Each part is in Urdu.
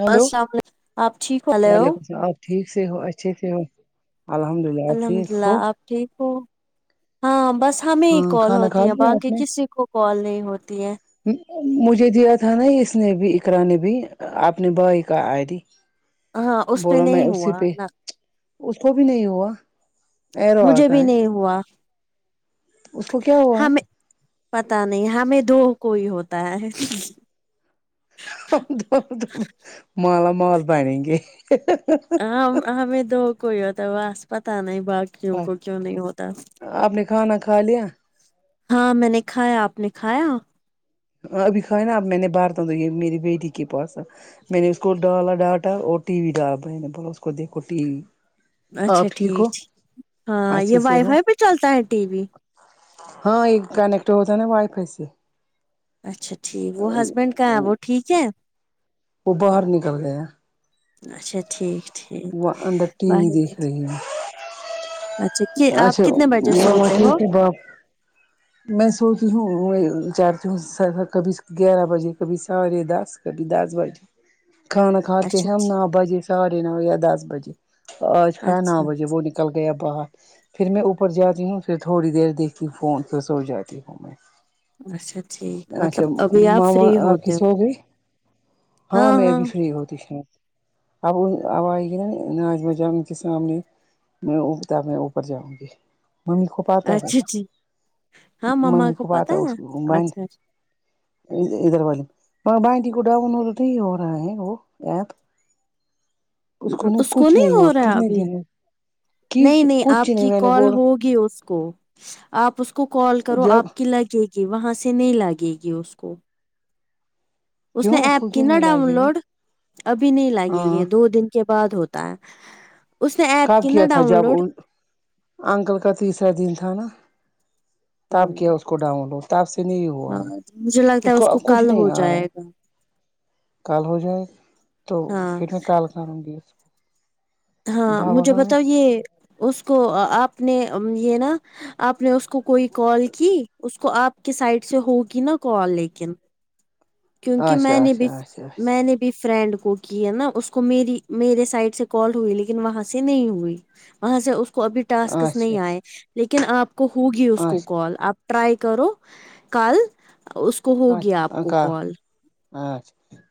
ہیلو السلام علیکم آپ ٹھیک ہو ہلو وعلیکم السلام آپ ٹھیک سے ہو اچھے سے ہو الحمد اللہ الحمد للہ آپ ٹھیک ہو ہاں بس ہمیں ہی ہاں کال کھانا کھا ہوتی ہے لیا آپ باقی نے کسی کو کال نہیں ہوتی ہے مجھے دیا تھا نا اس نے بھی اقرا نے بھی اپنے بھائی کا آئے ڈی ہاں اس پہ بولو میں نہیں ہوا اسی پہ نہ اس کو بھی نہیں ہوا ایرو مجھے آتا بھی ہے نہیں ہوا اس کو کیا ہوا ہمیں ہے پتہ نہیں ہمیں دو کوئی ہوتا ہے مالا مال بنیں گے ہم ہمیں دو کوئی ہوتا ہے وہس پتہ نہیں باقیوں کو کیوں نہیں ہوتا آپ نے کھانا کھا لیا ہاں میں نے کھایا آپ نے کھایا ہ ابھی کھائے نا اب میں نے بارتا ہوں تو یہ میری بیٹی کے پاس میں نے اس کو ڈالا ڈاٹا اور ٹی وی ڈالا میں نے بولا اس کو دیکھو ٹی وی اچھا آپ ٹھیک ہو ٹھیکھ ہاں یہ اچھے سے وائی ہو فائی پہ چلتا ہے ٹی وی ہاں یہ کنیکٹ ہوتا نا وائی فائی سے اچھا ٹھیک وہ ہسبینڈ کا ہے وہ ٹھیک ہے وہ باہر نکل گیا ہیں اچھا ٹھیک ٹھیک وہ اندر ٹی ب وی دیکھ رہی ہے اچھا کہ آپ کتنے بجے سوتے ہو وہ میں سوتی ہوں میں ا چارتی ہوں کبھی گیارہ بجے کبھی سارے دس کبھی دس بجے کھانا کھے اچھا ہیں نو ٹھیک بجے سارے ن ہو گیا دس بجے آج کھانو اچھا بجے وہ نکل گیا باہر پھر میں اوپر جاتی ہوں پھر تھوڑی دیر دیکھ کے فون پھرسو جاتی ہوں میں اچھا ٹھیک اچھا مطلب ابھی آپ ماما فری آپ کی ہوتے ہو سو گئے ہاں میں بھی فری ہوتی ش اب اب آئگی نہ نجم جان کے سامنے اگتا ج م خ پاتا ہے اچھا ٹھیک ہاں مما ممی کو پاتا پتا ہے اس بڈ اچھا ادھر والی مگر بقٹی کو ڈؤن لڈ نہیں ہو رہا ہے وہ ایپ اس کو کچھ نہیں ہوا ہو رہا کتنے ابھی دن ہو کہ نہیں نہیں کچھ آپ کی میں نے کال بولا ہوگی اس کو آپ اس کو کال کرو جب آپ کی لگے گی کہ وہاں سے نہیں لگے گی اس کو اس نے کیوں ایپ کو کی کیوں نا نہیں ڈاؤن لگے گی لوڈ ابھی نہیں لگے ہاں گی دو دن کے بعد ہوتا ہے اس نے ایپ ک کب نہ کیا تھا ڈاؤن جب لوڈ انکل کا تیسرا دن تھا نا ہ تاپ کیا اس کو ڈاؤن لوڈ تاپ سے نہیں ہوا ہے مجھے لگتا اس ہے کو اب کچھ کل نہیں ہو آ رہا ہے جائے گا کل ہو جائے تو ہاں پھر میں کال کروں گی اس ہاں بابا مجھے کہاں ہے بتاؤ یہ اس کو آپ نے یہ نا آپ نے اس کو کوئی کال کی اس کو آپ کے سائڈ سے ہوگی نا کال لیکن کیونکہ میں اچھا نے بھی اچھا اچھا میں اچھا نے فرینڈ کو کی ہے نا اس کو میری میرے سائڈ سے کال ہوئی لیکن وہاں سے نہیں ہوئی وہاں سے اس کو ابھی ٹاسک نہیں اچھا آئے لیکن آپ کو ہوگی اس کو اچھا کال آپ ٹرائی کرو کل اس کو اچک ہوگی آپ کو اچھا کال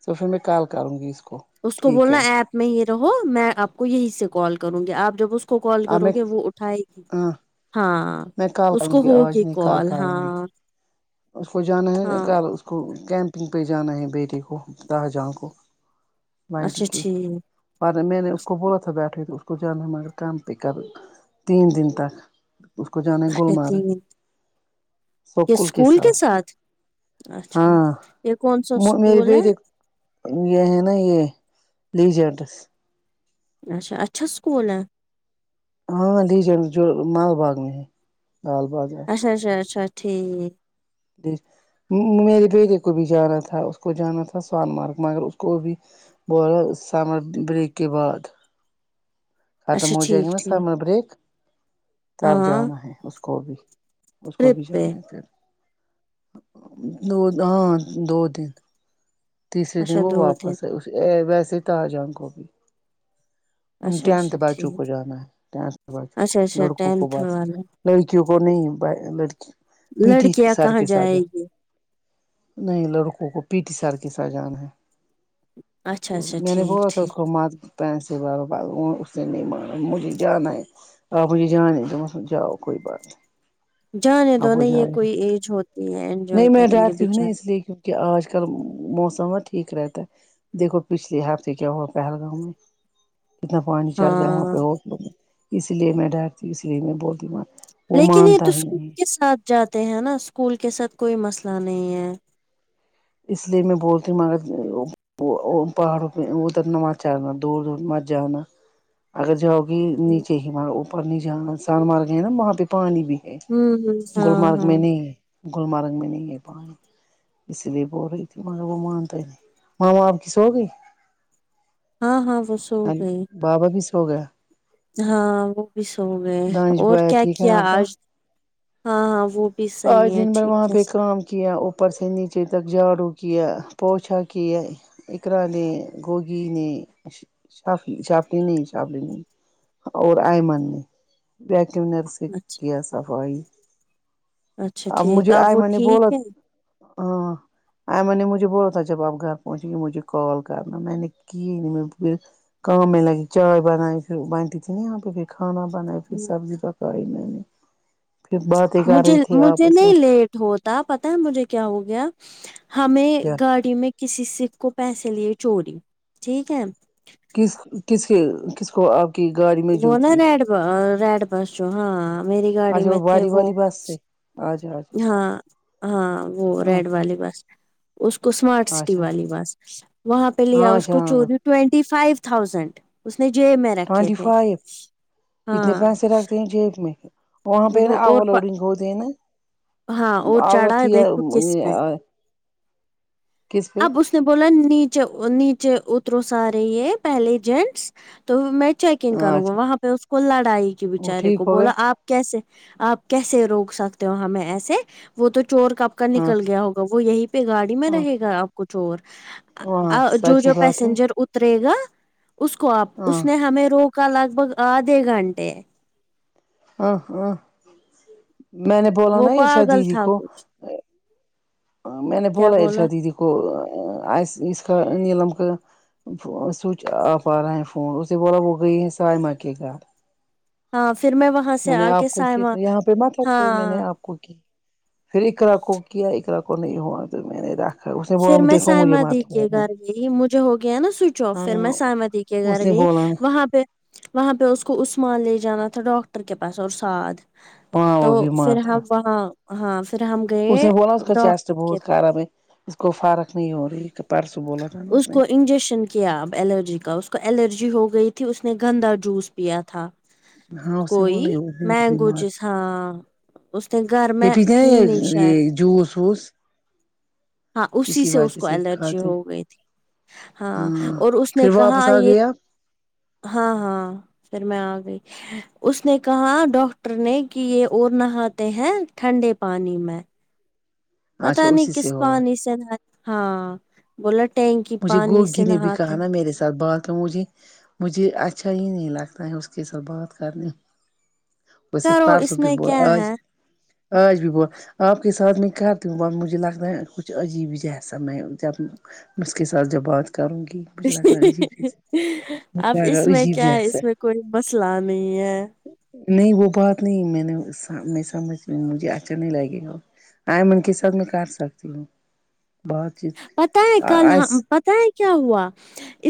دو پھر میں کال کروں گی اس کو اس کو ٹھیک بولنا ہے ایپ میں یہ رہو میں آپ کو یہی سے کال کروں گی آپ جب اس کو کال اب کرو میں گے وہ اٹھائے گی ہاں ہاں میں کال اس کو کروں گی ہوگی آج نہیں کال کروں گی ہاں اس کو جانا ہے ہاں ک اس کو کیمپنگ پہ جانا ہے بیٹے کو شاہجہاں کو نائنٹی اچھا کیو ٹھیک بعد میں میں نے اس کو بولا تھا بیٹھے تو پ جاب ہمارا کام پک اپ تین دن تک اس کو جانے گول اچھا مار تین یہ اسکول اسکول کے ساتھ اچھا ہاں یہ کون سا میرے اسکول ہے بیٹے یہ ہے نا یہ لیجے ایڈریس اچھا اچھا سکول ہے ہاں لیجنڈ جو مال باغ میں ہے لال باغ اچھا اچھا اچھا ٹھیک میرے بیٹے کو بھی جانا تھا اس کو جانا تھا سون مارگ مگر اس کو بھی بول سمر بریک کے بعد ختم اچھا ہوجائیں گے ٹھیک نا ٹھیک سمر بریک تو اب ہاں جانا ہے اس کو بھی اس کو بھی ٹرپ پہ جانا ہے پھر دو ہاں دو دن تیسرے دن اچھا وہ دو دن واپس ویسے ہی تاجہان کو بھی اچھا ٹینتھ اچھا بچوں ٹھیک کو جانا ہے ٹینتھ اچھا اچھا لڑکوں کو ٹینتھ بس والا لڑکیوں کو نہیں لڑکی پی ٹی لڑکیاں سر کہاں کے ساتھ جائے جا گی نہیں لڑکوں کو پی ٹی سر کی ساتھ جانا ہے اچھا اچھا میں نے ٹھیک بولا تھا اس ٹھیک کو مت پیسے و وہ اس نے نہیں مانا مجھے جانا ہے آپ مجھے جانےمس جاؤ کوئی بات نہیں جانے دو آپ وہ نا یہ جائے کوئی ایج ہوتی ہے انجوائے کریں گے بچارے کہ آج کل موسما ٹھیک رہتا ہے دیکھو پچھلے ہفتے کیا ہوا پہلگاؤں میں کتنا پانک چڑ گئے وہاں ہاں پہ ہوٹلوں میں اس لیے میں ڈرتی ہوں اس لیے میں بولتی مت لیکن یہ تو اسکول کے ساتھ جاتے ہیں نا اسکول کے ساتھ کوئی مسئلہ نہیں ہے اس لیے میں بولتی ہوں مگر پہاڑوں پہ ادھر مت جانا دور دور مت جانا اگر ج نیچے ہی اوپر نہیں جانا سر مار گئے نا وہاں پہ پانی میں ہوں ہ ہاں گلمرگ میں ہاں نہیں ہے گلمرگ میں نہیں ہے اس لیے بول رہی تھی مگر وہ مانتا نہیں ماما آپ کی سو گئی ہاں ہاں وہ سو گئی بابا بھی سو گیا ہاں وہ بھی سو گئے دانش اور بھیا کیا ٹھیک ہے کیا آپ کا آج ہاں ہاں وہ بھی آج صحیح ہے دن بھر وہاں ٹھیک ہے پہ کام کیا اپر سے نیچے تک جاڑو کیا پوچا کیا اقرا نے گوگی نے شافعی شافعی نہی شافعی نہیں اور ائمن نے ویکمنر سے اچھا کیا صفائی اچھا ٹھیک مجھے اب وہ آئمن نے ٹھیک ہے ائمن مجھے بولا تھا جب آپ گھر پونچی مجھے کال کرنا میں نے کی کام میں لگی چائے بنائی پھر بانٹی تھی پھر کھانا بنائی سبزی پکائی میں نے پھر ب مجھے مجھے نہیں لیٹ ہوتا پتا ہے مجھے کیا ہو گیا ہمیں کیا گاڑی میں کسی سیکھ کو پیسے لیے چوری ٹھیک ہے کس کس کے کس کو آپ کہ گاڑی میں وہ جو نا تھی ریڈ ریڈ بس جو ہاں میری گاڑی میں تھے وہ آ جھا ہاں ہاں وہ ریڈ والی بس اس کو اسمارٹ سٹی اچھا والی بس وہاں پہ لےیا ہاں اس اچھا کو ہاں چوری ٹینٹی فائیو تھاؤزینڈ اس نے جیب میں رکھے ٹوینٹی تھے فائیو اتنے ہاں پیسے رکھتے جیب میں وہاں پہ وہ نا اور اوور لوڈنگ ہوتے ہیں نا ہاں اور چڑھا عورت تھی دیکھو کس میں کس پہ اب اس نے بولا نیچے نیچے اترو سے یہ پہلے جینٹس تو میں چیک انگ کرو گا اچھا وہاں پہ اس کو لڑائی کے وہ بچارے ٹھیک کو ہو گئے بولا آپ کیسے آپ کیسے روک سکتے ہو ہمیں ایسے وہ تو چور کب کا ہاں نکل گیا ہوگا وہ یہی پہ گاڑی میں ہاں رہے گا آپ کو چور ہاں جو سچ ہی جو بات ہے پیسنجر اترے گا اسکو آپ ہاں اس نے ہمیں روکا لگ بھگ آدھے گھنٹے ہاں ہاں میں نے بولا وہ نا ارشا پاگل دیدی تھا کو کچھ میں نے بولا ارشا دیدی کو کوااس کا نعلم کا سوئچ آف آ رہا ہے فون اسے بولا وہ گئی ہے سائمہ کے گھر ہاں پھر میں وہاں سے میں نے آ کے آپ کو کیا سائما یہاں پہ مت رکھو میں نے ہاں آپ پھر اک ر کو کیا اکر کو نہیں ہوا تو میں نے ر پھر میں سائمہ دی کے گھر گئی مجھے ہو گیا نا سوئچ آف پھر میں ہاں سائمہ دی کے اس گھر نے گئی بولا وہاں پہ وہاں پہ اس کو عثمان لے جانا تھا ڈاکٹر کے پاس اور سعد ہاں تو وہ بیمار پھر ہم تھا وہاں ہاں پھر ہم اس گئے نے بولا اس کا چیسٹ ڈاکٹر کے بہت خراب ہے اس کو فارق نہیں ہو رہی ہے اس کو انجیکشن کیا اب الرجی کا اس کو الرجی ہو گئی تھی اس نے گندا جوس پیا تھا ہاں اس نے کوئی بولا یہ مینگو بیمار جس ہاں اس نے گھر یہ میں پیتے نا تھی نہیں یہ شاید یہ جوس ووس ہاں اسی سے اس کو الرجی ہوگی تھی ہاں اور اس نے پھر کہا واپس آ یہ گیا ہاں ہاں پھر میں آ گئی اس نے کہا ڈاکٹر نے کہ یہ اور نہاتے ہیں ٹھنڈے پانی میں اچھا پتا اسی نہیں سے کس ہوگا پانی سے نہایا ہاں بولا ٹینک مجھے گوگی نے بھی کہا نا میرے ساتھ بات کروں مجھے مجھے اچھا ہی نہیں لگتا ہے اس کے ساتھ بات کرنے بس ایک کرو پارسو اس بھی میں بول کیا آج ہے آج بھی بول آپ کے ساتھ میں کرتی ہوں مجھے لگرہا ہے کچھ عجیب ہی جیسا میں جب اسکے ساتھ جب بات کرونگی مجھے لگرہا ہے عیب جیس مجھے اب لگرہا اس میں عجیب کیا جیس ہے اس میں کوئی مسئلہ نہیں ہے نہیں وہ بات نہیں میں نے میں سمجھ مجھے اچھا نہیں لگے گا آئمن کے سب میں کر سکتی ہوں بہت پتا ہے کل ہم پتا ہے کیا ہوا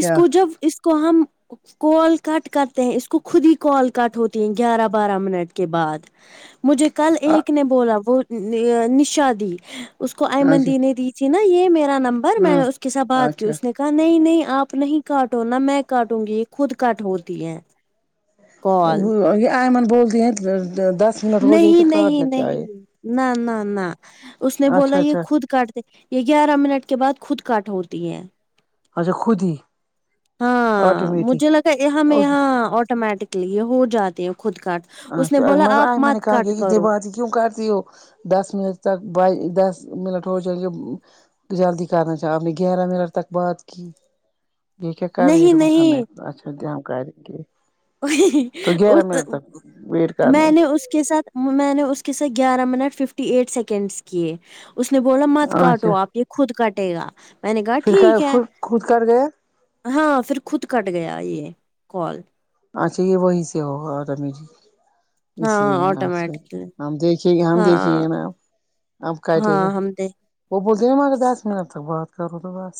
اس کو جب اس کو ہم کال کٹ کرتے ہیں اس کو خود ہی کال کٹ ہوتی ہے گیارہ بارہ منٹ کے بعد مجھے کل ایک نے بولا وہ ن نشہ دی اس کو آئمن اچھا دی نے دی تھی نا یہ میرا نمبر میں نے اس کے ساتھ ہاں بات کی اچھا اس نے نہیں نہیں آپ نہیں کاٹو نا میں کاٹوں گی یہ خود کاٹ ہوتی ہے کال یہ آئمن بولتی ہیں دس منٹ ہو جائے تو نہیں نہیں کاٹنا چاہیے نہیں نہ نہ نہ اس نے بولا اچھا یہ اچھا خود کاٹ یہ گیارہ منٹ کے بعد خود کاٹ ہوتی ہیں اچھا خودی ہاں مجھے لگا یہ ہمیں یہاں آٹومیٹکلی یہ ہو جاتی خود کٹ اس نے اچھا بولا مگر آپ آج میں نے مت کہا کہ کٹ اتنی کرو باتیں کیوں کرتی ہو دس منٹ تک بائی دس منٹ ہو جاے گے جلدی کرنا تھا آپ نے گیارہ منٹ تک بات کی یہ کیا کر رہی نہیں تمسام نہیں اچھا د ہم کر رہیں گے تو گیارہ منٹ تک ویٹ میں کرنے نے اس کے ساتھ میں نے اس کے ساتھ گیارہ منٹ ففٹی ایٹ سیکنڈس کیے اس نے بولا مت کاٹو اچھا آپ یہ خود کٹے گا میں نے کہا پھر کیا ٹھیک ہے پھر خود کر گیا ہاں پھر خود کٹ گیا یہ کال اچھا یہ وہی سے ہوگا رمی جی اس لیے ہاں اا آٹومیٹکلی ہم دیکھیے گے ہم دیکھیں ہاں گے نا آپ ہاں ہم دیکھ وہ بولتے ہیں نا اگر دس منٹ تک بات کروں تو بس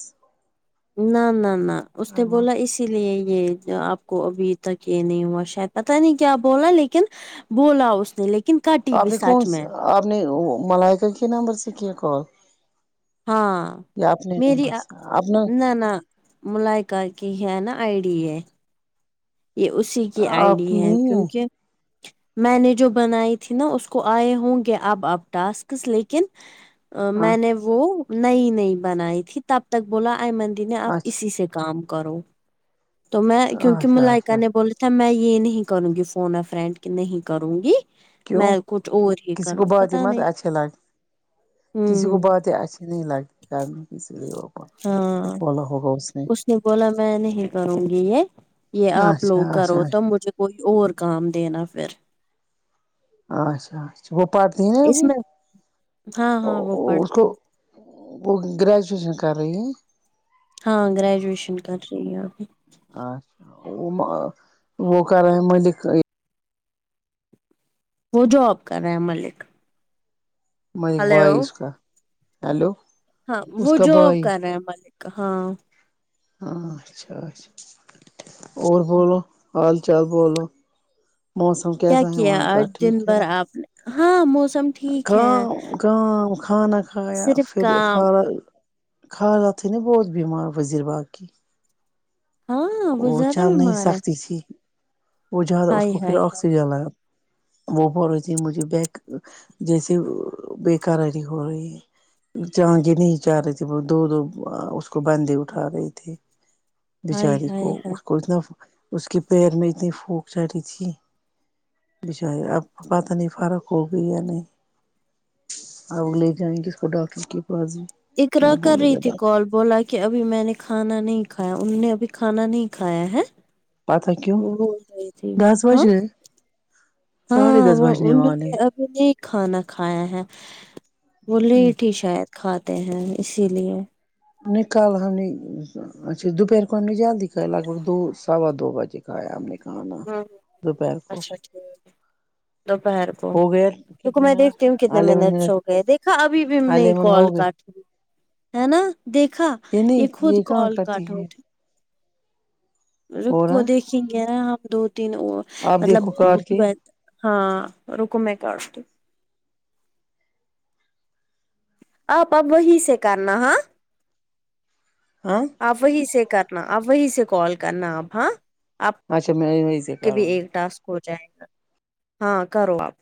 نہ نہ نہ اس نے ایمن بولا اس اسی لیے یہ آپ کو ابھی تک یہ نہیں ہوا شاید پتا نہیں کیا بولا لیکن بولا اس نے لیکن کاٹی آپ بھی نے کون سچ میں آپ نے ملائکہ کے نمبر سے کیا کال ہاں یا اپنے میری نمبر سے اپنا نہ نہ ملائکہ کی ہے نا آئی ڈی ہے یہ اسی کی آئی آپ ڈی کی ہے نہیں کیونکہ میں نے جو بنائی تھی نا اس کو آئے ہوں گے اب اب ٹاسکس لیکن ہاں میں نے وہ نئی نئی بنائی تھی تب تک بولا ایمن دی نے آپ اسی سے کام کرو تو میں اچھا کیونکہ اچھا ملائکہ اچھا نے بولا تھا میں یہ نہیں کروں گی فون آ فرینڈ کہ نہیں کروں گی کیوں میں کچھ اور ہی کسی کو کروں گی بات پتا مس نہیں اچھے لگ کسی کو ہوں باتیں اچھی نہیں لگتی شاید اسیلے وہ ہاں بولا ہوگا اس نے اس نے بولا میں نہیں کروں گی یہ یہ آپ اچھا لوگ کرو اچھا تو مجھے کوئی اور کام دینا پھر اچھا اچھا وہ پڑتی ہیں اس ابھی میں ہاں ہاں وہ اس کو پڑھتی وہ گریجویشن کر رہی ہیں ہاں گریجویشن کر رہی ہے ابھی اچھا وہ کر رہے ہیں ملک وہ جاب کر رہے ہیں ملک ملک بھائی ہلو اس کا ہیلو ہاں وہ اس کا جاب بھائی کر رہے ہیں ملک ہاں اں اچھا اچھا اور بولو حال چال بولو موسم کیا کیسا ہے کیا وہاں کا آج دن ٹھیک بھر ہے آپ نے ہاں موسم ٹھیک ہے کام کام کھانا کھایا صرف پھر کام کھانا خالہ تھی نا بہت بیمار وزیر باغ کی ہاں وہ زیادہ چل نہیں بیمار ہے سکتی تھی وہ زیادہ اس ہائے کو پھر ہائے آکسیجن لگا وہ بول رہی تھی مجھے بیک جیسے بے قراری ہو رہی ہے چل نہیں پارہی تھی وہ دو دو اس کو بندے اٹھا رہے تھے ہائے بچاری کو ہائے ہائے اس کو اتنا اس کے پیر میں اتنی پھونک چڑی تھی بچاری اب پتہ نہیں فرق ہوا بھی یانہیں اب لے جائیں گے اس کو ڈاکٹر کے پاس بھی اقرا کیا کر بولے رہی گا تھی ڈاکٹر کال بولا کہ ابھی میں نے کھانا نہیں کھایا انہوں نے ابھی کھانا نہیں کھایا ہے پتہ کیوں وہ ہو جائے تھ ہی دس ہاں بج گئے ساڑھے ہاں دس وہ بجنے انہوں والے نے ابھی نہیں کھانا کھایا ہے وہ ہیں لیٹ ہی شاید کھاتے ہیں اسی لیے نکال ہمانی اچھا دوپہر کو ہم نے جلدی کھائے لگ بگ دو سوا دو بجے کائے ہم نے ک ہوں اچھا ٹھیک ہے دوپہر کو ہو گیا دک کتنے میں منٹ دیکھتی ہوں کتنے الیون منٹس منٹ ہو گئے دیکھا ابھی بھی ہم نے الیون ہو کال گئے کاٹ ہے نا دیکھا یہ نہیں خود کہاں کال کرتی کاٹ ہے ہوٹے ر ہو کوو رہا ہے دیکھیں گے نا ہم دو تین آپ مطلب دیکھو کر کے ہاں رکوم کاٹتی آپ اب وہی سے کرنا ہے ہاں اپ وہی سے کرنا اپ وہی سے کال کرنا آپ ہاں آپ اچھا م ہی کے بھی ایک ٹاسک ہو جائے گا ہاں کرو آپ